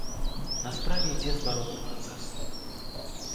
На справе ідзе зваротны працэс.